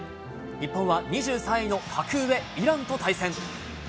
日本は２３位の格上、イランと対戦。